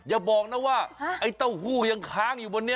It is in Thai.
อย่าบอกนะว่าไอ้เต้าหู้ยังค้างอยู่บนนี้